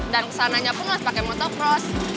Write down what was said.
dan kesananya pun harus pake motocross